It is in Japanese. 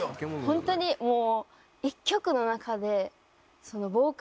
ホントにもう。